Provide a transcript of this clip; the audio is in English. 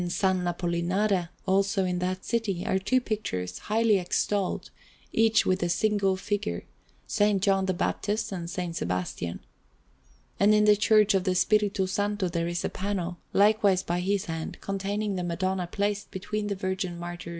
Apollinare, also in that city, are two pictures, highly extolled, each with a single figure, S. John the Baptist and S. Sebastian. And in the Church of the Spirito Santo there is a panel, likewise by his hand, containing the Madonna placed between the Virgin Martyr S.